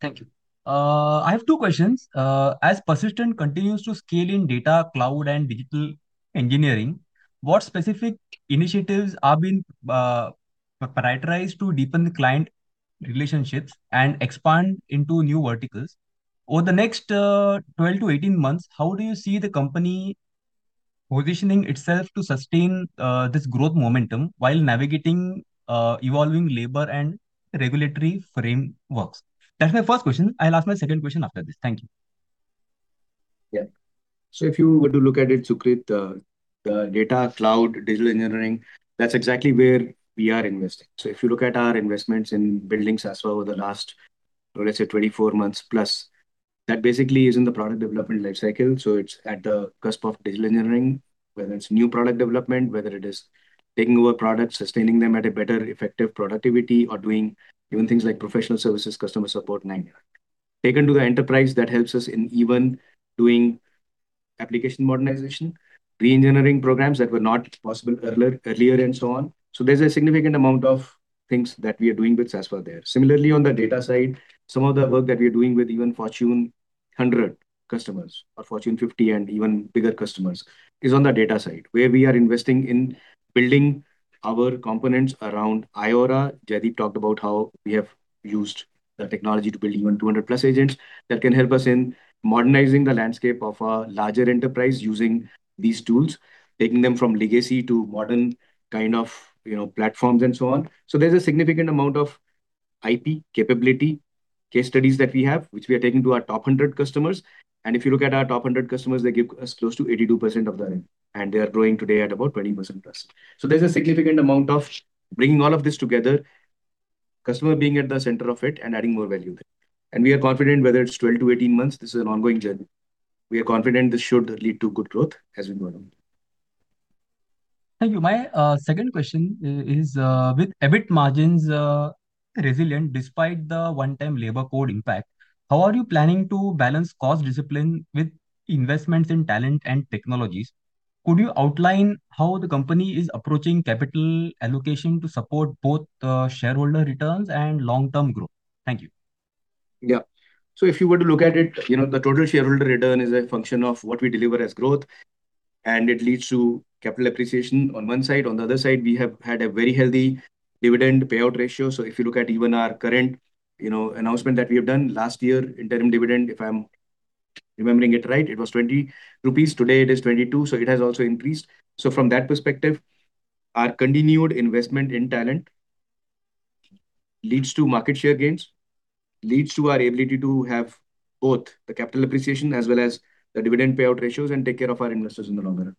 Thank you. I have two questions. As Persistent continues to scale in data, cloud, and digital engineering, what specific initiatives have been prioritized to deepen the client relationships and expand into new verticals? Over the next 12 to 18 months, how do you see the company positioning itself to sustain this growth momentum while navigating evolving labor and regulatory frameworks? That's my first question. I'll ask my second question after this. Thank you. Yeah. So if you were to look at it, Sukrit, the data, cloud, digital engineering, that's exactly where we are investing. So if you look at our investments in building Sasva over the last, let's say, 24 months plus, that basically is in the product development lifecycle. It's at the cusp of digital engineering, whether it's new product development, whether it is taking over products, sustaining them at a better, effective productivity, or doing even things like professional services, customer support, and taking to the enterprise, that helps us in even doing application modernization, re-engineering programs that were not possible earlier and so on. There's a significant amount of things that we are doing with Sasva there. Similarly, on the data side, some of the work that we are doing with even Fortune 100 customers or Fortune 50 and even bigger customers is on the data side, where we are investing in building our components around iAura. Jaideep talked about how we have used the technology to build even 200-plus agents that can help us in modernizing the landscape of a larger enterprise using these tools, taking them from legacy to modern kind of platforms and so on. So there's a significant amount of IP capability case studies that we have, which we are taking to our top 100 customers. And if you look at our top 100 customers, they give us close to 82% of the revenue, and they are growing today at about 20% plus. So there's a significant amount of bringing all of this together, customer being at the center of it and adding more value. And we are confident, whether it's 12-18 months, this is an ongoing journey. We are confident this should lead to good growth as we go along. Thank you. My second question is, with EBIT margins resilient despite the one-time labor code impact, how are you planning to balance cost discipline with investments in talent and technologies? Could you outline how the company is approaching capital allocation to support both shareholder returns and long-term growth? Thank you. Yeah. So if you were to look at it, the total shareholder return is a function of what we deliver as growth, and it leads to capital appreciation on one side. On the other side, we have had a very healthy dividend payout ratio. So if you look at even our current announcement that we have done last year, interim dividend, if I'm remembering it right, it was 20 rupees. Today, it is 22. So it has also increased. So from that perspective, our continued investment in talent leads to market share gains, leads to our ability to have both the capital appreciation as well as the dividend payout ratios and take care of our investors in the long run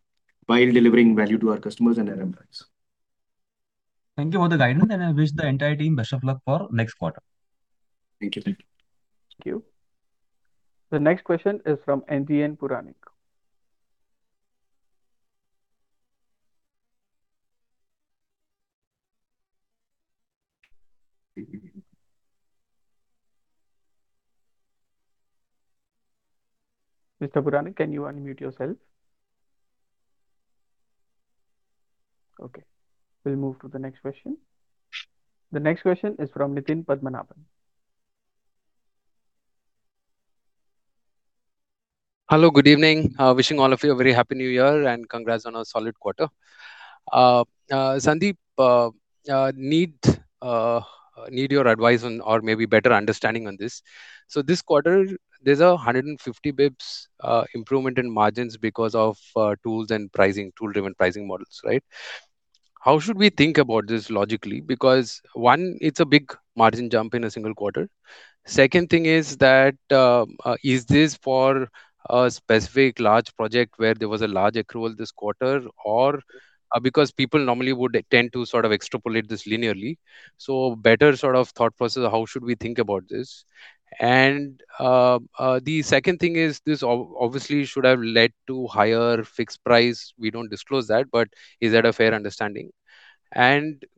while delivering value to our customers and RMIs. Thank you for the guidance, and I wish the entire team best of luck for next quarter. Thank you. Thank you. The next question is from Nitin Puranik. Mr. Puranik, can you unmute yourself? Okay. We'll move to the next question. The next question is from Nitin Padmanabhan. Hello. Good evening. Wishing all of you a very happy New Year and congrats on a solid quarter. Sandeep, I need your advice on or maybe better understanding on this. So this quarter, there's a 150 basis points improvement in margins because of tools and pricing, tool-driven pricing models, right? How should we think about this logically? Because one, it's a big margin jump in a single quarter. Second thing is, is this for a specific large project where there was a large accrual this quarter or because people normally would tend to sort of extrapolate this linearly? So better sort of thought process, how should we think about this? And the second thing is this obviously should have led to higher fixed price. We don't disclose that, but is that a fair understanding?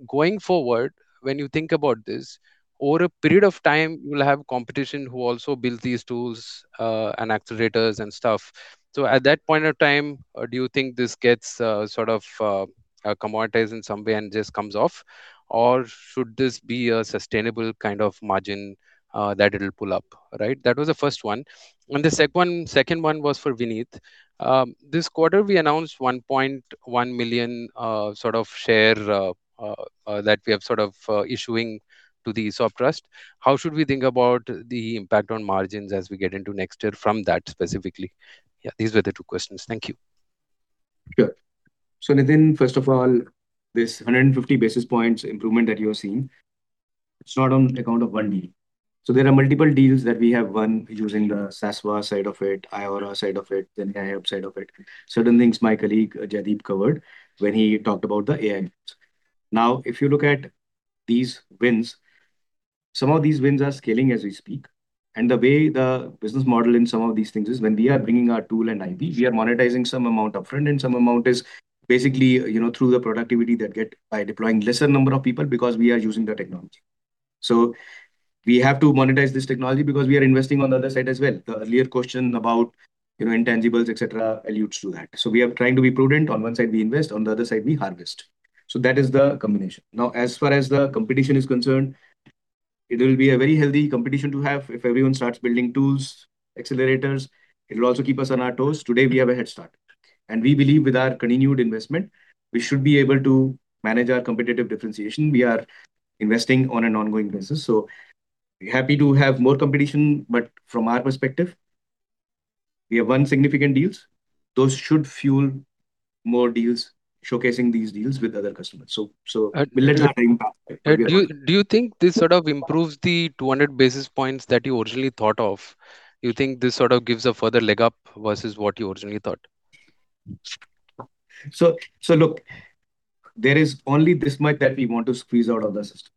Going forward, when you think about this, over a period of time, you will have competition who also build these tools and accelerators and stuff. So at that point of time, do you think this gets sort of commoditized in some way and just comes off? Or should this be a sustainable kind of margin that it'll pull up, right? That was the first one. The second one was for Vinit. This quarter, we announced 1.1 million sort of share that we have sort of issuing to the ESOP Trust. How should we think about the impact on margins as we get into next year from that specifically? Yeah, these were the two questions. Thank you. Sure. So Nitin, first of all, this 150 basis points improvement that you're seeing, it's not on account of one deal. So there are multiple deals that we have won using the Sasva side of it, iAura side of it, GenAI Hub side of it. Certain things my colleague Jaideep covered when he talked about the AI. Now, if you look at these wins, some of these wins are scaling as we speak. And the way the business model in some of these things is when we are bringing our tool and IP, we are monetizing some amount upfront, and some amount is basically through the productivity that we get by deploying lesser number of people because we are using the technology. So we have to monetize this technology because we are investing on the other side as well. The earlier question about intangibles, et cetera, alludes to that. So we are trying to be prudent. On one side, we invest. On the other side, we harvest. So that is the combination. Now, as far as the competition is concerned, it will be a very healthy competition to have. If everyone starts building tools, accelerators, it will also keep us on our toes. Today, we have a head start. And we believe with our continued investment, we should be able to manage our competitive differentiation. We are investing on an ongoing basis. So we're happy to have more competition, but from our perspective, we have won significant deals. Those should fuel more deals, showcasing these deals with other customers. So we'll let time pass. Do you think this sort of improves the 200 basis points that you originally thought of? Do you think this sort of gives a further leg up versus what you originally thought? So, look, there is only this much that we want to squeeze out of the system.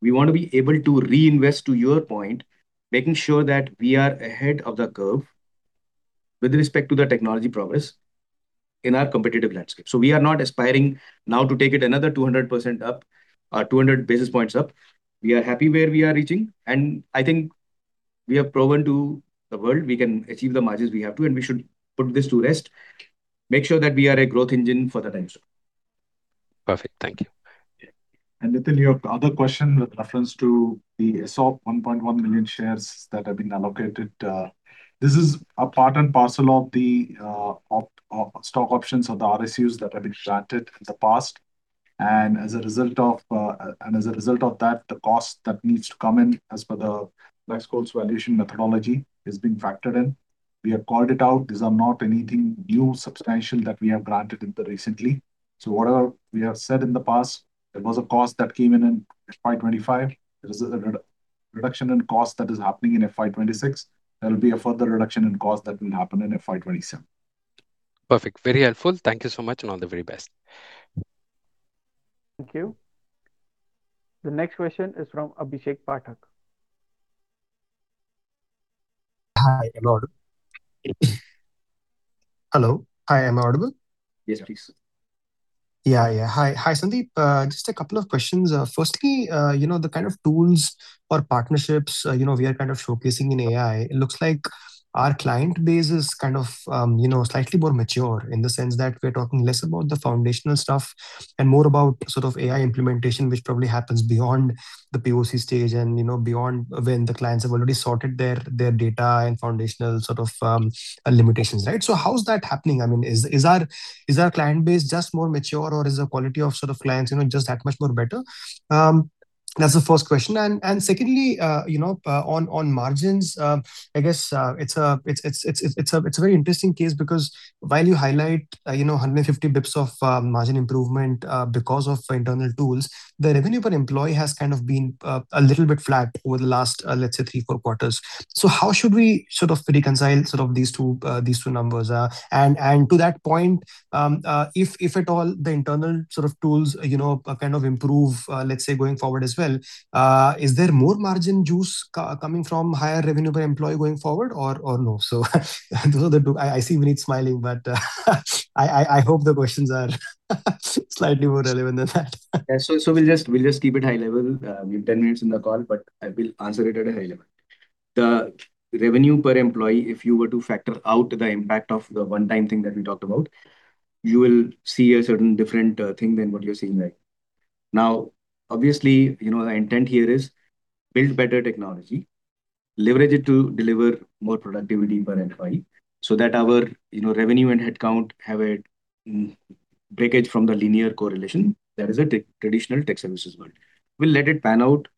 We want to be able to reinvest, to your point, making sure that we are ahead of the curve with respect to the technology progress in our competitive landscape. So, we are not aspiring now to take it another 200% up or 200 basis points up. We are happy where we are reaching. And, I think we have proven to the world we can achieve the margins we have to, and we should put this to rest, make sure that we are a growth engine for the time to come. Perfect. Thank you. And Nitin, your other question with reference to the ESOP 1.1 million shares that have been allocated, this is a part and parcel of the stock options of the RSUs that have been granted in the past. And as a result of that, the cost that needs to come in as per the Black-Scholes valuation methodology is being factored in. We have called it out. These are not anything new, substantial that we have granted recently. So whatever we have said in the past, there was a cost that came in in FY2025. There is a reduction in cost that is happening in FY2026. There will be a further reduction in cost that will happen in FY2027. Perfect. Very helpful. Thank you so much and all the very best. Thank you. The next question is from Abhishek Patel. Hi. Hello. Hello. Hi. Am I audible? Yes, please. Yeah. Yeah. Hi, Sandeep. Just a couple of questions. Firstly, the kind of tools or partnerships we are kind of showcasing in AI, it looks like our client base is kind of slightly more mature in the sense that we're talking less about the foundational stuff and more about sort of AI implementation, which probably happens beyond the POC stage and beyond when the clients have already sorted their data and foundational sort of limitations, right? So how's that happening? I mean, is our client base just more mature, or is the quality of sort of clients just that much more better? That's the first question. And secondly, on margins, I guess it's a very interesting case because while you highlight 150 basis points of margin improvement because of internal tools, the revenue per employee has kind of been a little bit flat over the last, let's say, three, four quarters. So how should we sort of reconcile sort of these two numbers? And to that point, if at all, the internal sort of tools kind of improve, let's say, going forward as well, is there more margin juice coming from higher revenue per employee going forward, or no? So those are the two. I see Vinit smiling, but I hope the questions are slightly more relevant than that. Yeah. So we'll just keep it high level. We have 10 minutes in the call, but I will answer it at a high level. The revenue per employee, if you were to factor out the impact of the one-time thing that we talked about, you will see a certain different thing than what you're seeing right now. Now, obviously, the intent here is to build better technology, leverage it to deliver more productivity per employee so that our revenue and headcount have a breakage from the linear correlation that is a traditional tech services world. We'll let it pan out.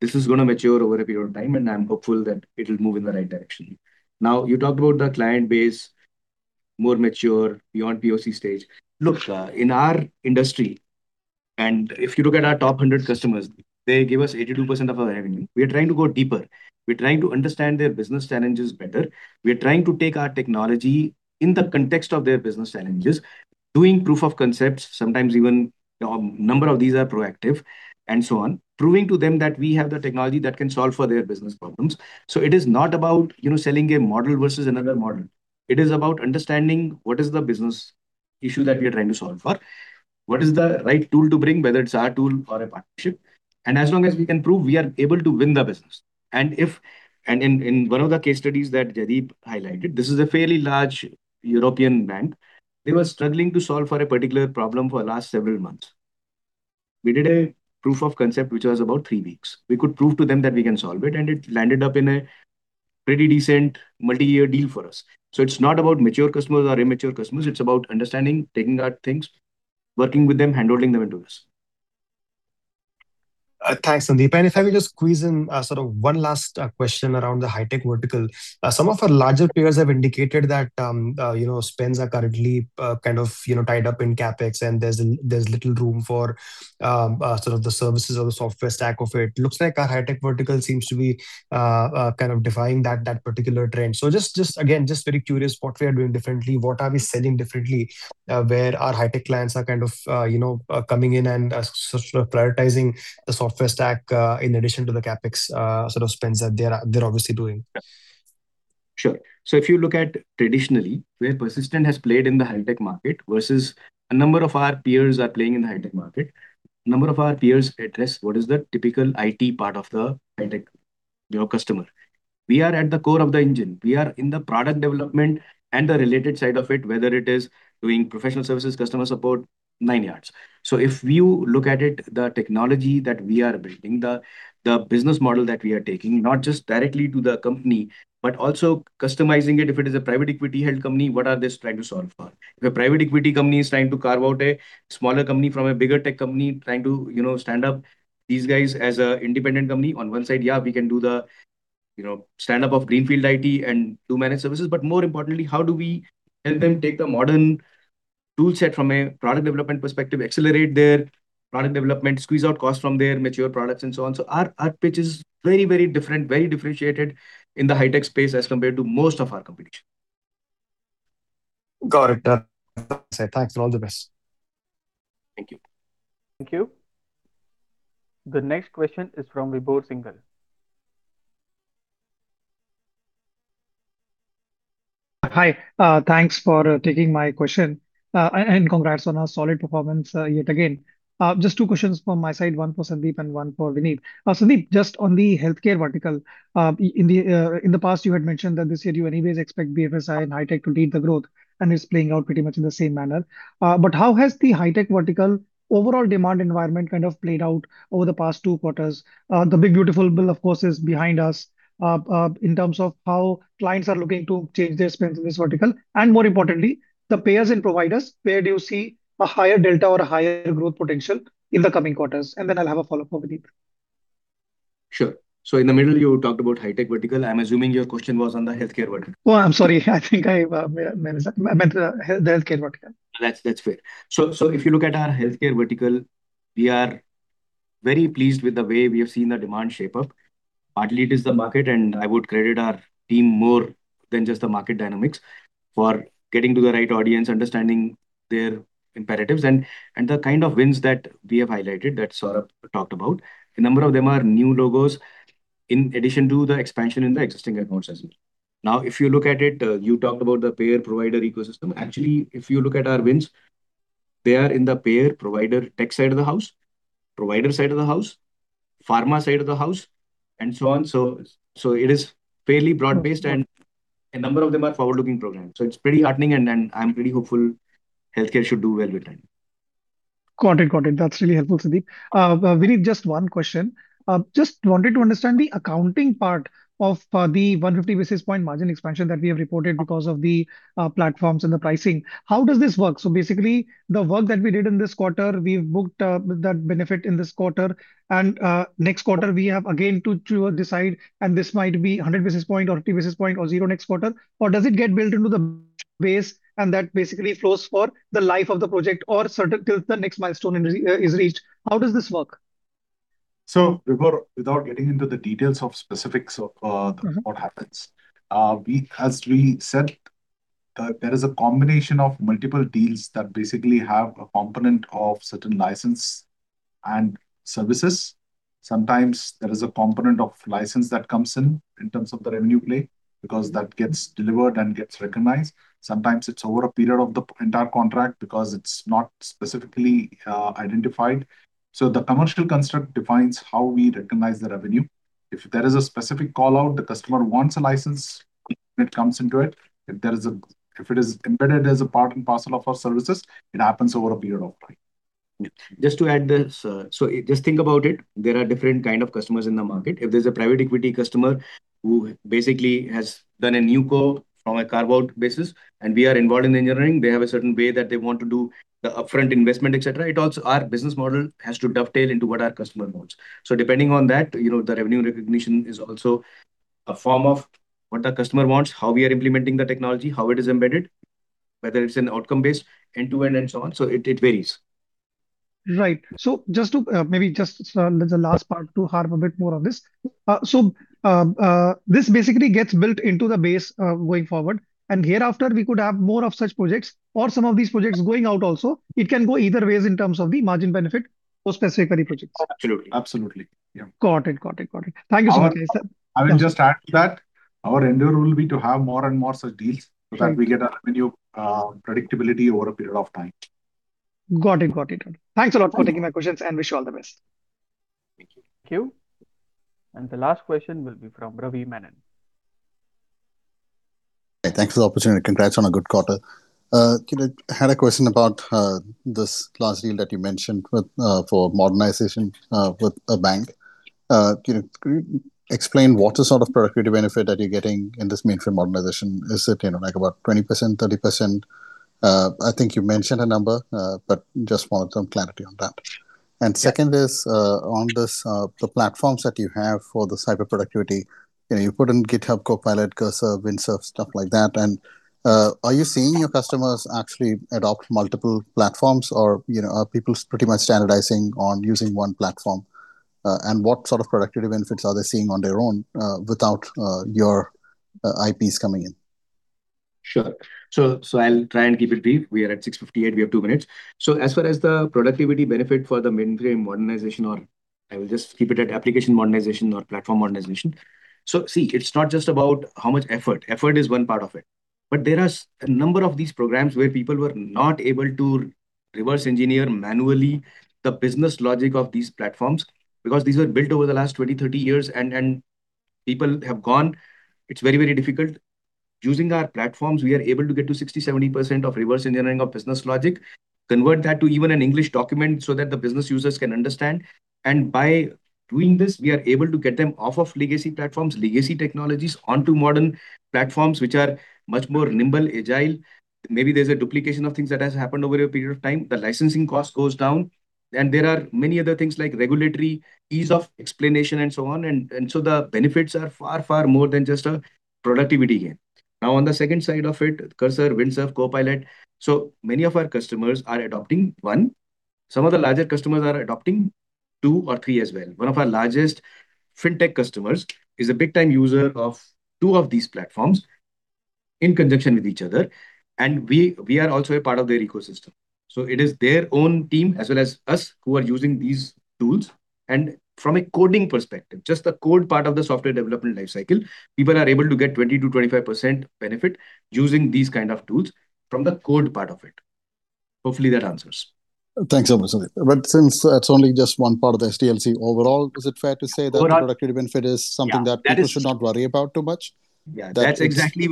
This is going to mature over a period of time, and I'm hopeful that it'll move in the right direction. Now, you talked about the client base more mature beyond POC stage. Look, in our industry, and if you look at our top 100 customers, they give us 82% of our revenue. We are trying to go deeper. We're trying to understand their business challenges better. We are trying to take our technology in the context of their business challenges, doing proof of concepts, sometimes even a number of these are proactive and so on, proving to them that we have the technology that can solve for their business problems. So it is not about selling a model versus another model. It is about understanding what is the business issue that we are trying to solve for, what is the right tool to bring, whether it's our tool or a partnership. And as long as we can prove, we are able to win the business. And in one of the case studies that Jaideep highlighted, this is a fairly large European bank. They were struggling to solve for a particular problem for the last several months. We did a proof of concept, which was about three weeks. We could prove to them that we can solve it, and it landed up in a pretty decent multi-year deal for us, so it's not about mature customers or immature customers. It's about understanding, taking our things, working with them, handholding them into this. Thanks, Sandeep, and if I may just squeeze in sort of one last question around the high-tech vertical. Some of our larger players have indicated that spends are currently kind of tied up in CapEx, and there's little room for sort of the services or the software stack of it. Looks like our high-tech vertical seems to be kind of defying that particular trend, so just again, just very curious what we are doing differently, what are we selling differently, where our high-tech clients are kind of coming in and sort of prioritizing the software stack in addition to the CapEx sort of spends that they're obviously doing. Sure. So if you look at traditionally where Persistent has played in the high-tech market versus a number of our peers are playing in the high-tech market, a number of our peers address what is the typical IT part of the high-tech customer. We are at the core of the engine. We are in the product development and the related side of it, whether it is doing professional services, customer support, nine yards. So if you look at it, the technology that we are building, the business model that we are taking, not just directly to the company, but also customizing it, if it is a private equity-held company, what are they trying to solve for? If a private equity company is trying to carve out a smaller company from a bigger tech company trying to stand up these guys as an independent company on one side, yeah, we can do the stand-up of greenfield IT and do managed services. But more importantly, how do we help them take the modern toolset from a product development perspective, accelerate their product development, squeeze out costs from their mature products, and so on? So our pitch is very, very different, very differentiated in the high-tech space as compared to most of our competition. Got it. Thanks. All the best. Thank you. Thank you. The next question is from Vibhor Singhal. Hi. Thanks for taking my question and congrats on our solid performance yet again. Just two questions from my side, one for Sandeep and one for Vinit. Sandeep, just on the healthcare vertical, in the past, you had mentioned that this year, you anyways expect BFSI and high-tech to lead the growth, and it's playing out pretty much in the same manner. But how has the high-tech vertical overall demand environment kind of played out over the past two quarters? The Big Beautiful Build, of course, is behind us in terms of how clients are looking to change their spends in this vertical. And more importantly, the payers and providers, where do you see a higher delta or a higher growth potential in the coming quarters? And then I'll have a follow-up for Vinit. Sure. So in the middle, you talked about high-tech vertical. I'm assuming your question was on the healthcare vertical. Oh, I'm sorry. I think I meant the healthcare vertical. That's fair. So if you look at our healthcare vertical, we are very pleased with the way we have seen the demand shape up. Partly, it is the market, and I would credit our team more than just the market dynamics for getting to the right audience, understanding their imperatives, and the kind of wins that we have highlighted that Saurabh talked about. A number of them are new logos in addition to the expansion in the existing accounts as well. Now, if you look at it, you talked about the payer-provider ecosystem. Actually, if you look at our wins, they are in the payer-provider tech side of the house, provider side of the house, pharma side of the house, and so on. So it is fairly broad-based, and a number of them are forward-looking programs. So it's pretty heartening, and I'm pretty hopeful healthcare should do well with that. Got it. Got it. That's really helpful, Sandeep. Vinit, just one question. Just wanted to understand the accounting part of the 150 basis point margin expansion that we have reported because of the platforms and the pricing. How does this work? So basically, the work that we did in this quarter, we've booked that benefit in this quarter. And next quarter, we have again to decide, and this might be 100 basis point or 50 basis point or zero next quarter, or does it get built into the base, and that basically flows for the life of the project or till the next milestone is reached? How does this work? So without getting into the details of specifics of what happens, as we said, there is a combination of multiple deals that basically have a component of certain license and services. Sometimes there is a component of license that comes in in terms of the revenue play because that gets delivered and gets recognized. Sometimes it's over a period of the entire contract because it's not specifically identified. So the commercial construct defines how we recognize the revenue. If there is a specific call-out, the customer wants a license, it comes into it. If it is embedded as a part and parcel of our services, it happens over a period of time. Just to add this, so just think about it. There are different kinds of customers in the market. If there's a private equity customer who basically has done a NewCo from a carve-out basis, and we are involved in engineering, they have a certain way that they want to do the upfront investment, etc., it also, our business model has to dovetail into what our customer wants, so depending on that, the revenue recognition is also a form of what the customer wants, how we are implementing the technology, how it is embedded, whether it's outcome-based end-to-end, and so on, so it varies. Right. So maybe just the last part to harp a bit more on this. So this basically gets built into the base going forward. And hereafter, we could have more of such projects or some of these projects going out also. It can go either ways in terms of the margin benefit or specifically projects. Absolutely. Absolutely. Yeah. Got it. Got it. Got it. Thank you so much, sir. I will just add to that. Our endeavor will be to have more and more such deals so that we get a revenue predictability over a period of time. Got it. Got it. Thanks a lot for taking my questions and wish you all the best. Thank you. Thank you. And the last question will be from Ravi Menon. Thanks for the opportunity. Congrats on a good quarter. I had a question about this last deal that you mentioned for modernization with a bank. Can you explain what sort of productivity benefit that you're getting in this mainframe modernization? Is it about 20%, 30%? I think you mentioned a number, but just wanted some clarity on that. And second is on the platforms that you have for the hyper productivity, you put in GitHub Copilot, Cursor, Windsurf, stuff like that. And are you seeing your customers actually adopt multiple platforms, or are people pretty much standardizing on using one platform? And what sort of productivity benefits are they seeing on their own without your IPs coming in? Sure. So I'll try and keep it brief. We are at 6:58. We have two minutes. So as far as the productivity benefit for the mainframe modernization, or I will just keep it at application modernization or platform modernization. So see, it's not just about how much effort. Effort is one part of it. But there are a number of these programs where people were not able to reverse engineer manually the business logic of these platforms because these were built over the last 20-30 years, and people have gone. It's very, very difficult. Using our platforms, we are able to get to 60%-70% of reverse engineering of business logic, convert that to even an English document so that the business users can understand. And by doing this, we are able to get them off of legacy platforms, legacy technologies onto modern platforms, which are much more nimble, agile. Maybe there's a duplication of things that has happened over a period of time. The licensing cost goes down, and there are many other things like regulatory ease of explanation and so on. And so the benefits are far, far more than just a productivity gain. Now, on the second side of it, Cursor, Windsurf, Copilot. So many of our customers are adopting one. Some of the larger customers are adopting two or three as well. One of our largest fintech customers is a big-time user of two of these platforms in conjunction with each other. And we are also a part of their ecosystem. So it is their own team as well as us who are using these tools. From a coding perspective, just the code part of the software development lifecycle, people are able to get 20%-25% benefit using these kinds of tools from the code part of it. Hopefully, that answers. Thanks so much, Sandeep. But since that's only just one part of the SDLC overall, is it fair to say that the productivity benefit is something that people should not worry about too much? Yeah. That's exactly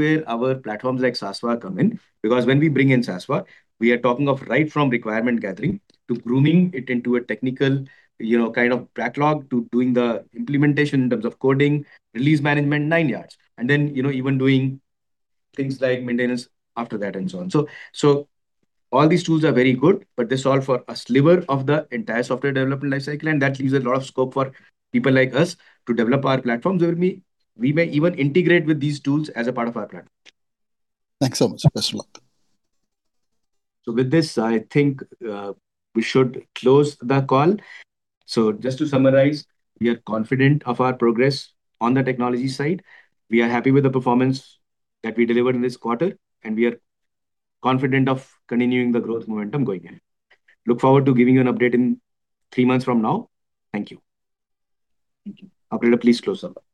where our platforms like Sasva come in. Because when we bring in Sasva, we are talking of right from requirement gathering to grooming it into a technical kind of backlog to doing the implementation in terms of coding, release management, nine yards, and then even doing things like maintenance after that and so on. So all these tools are very good, but they solve for a sliver of the entire software development lifecycle, and that leaves a lot of scope for people like us to develop our platforms. We may even integrate with these tools as a part of our platform. Thanks so much. Best of luck. So with this, I think we should close the call. So just to summarize, we are confident of our progress on the technology side. We are happy with the performance that we delivered in this quarter, and we are confident of continuing the growth momentum going ahead. Look forward to giving you an update in three months from now. Thank you. Apurva, please close up.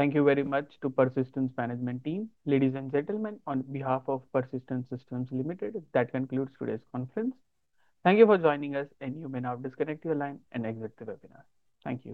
Thank you very much to Persistent Management Team. Ladies and gentlemen, on behalf of Persistent Systems Limited, that concludes today's conference. Thank you for joining us, and you may now disconnect your line and exit the webinar. Thank you.